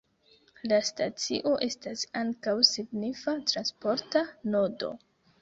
La stacio estas ankaŭ signifa transporta nodo.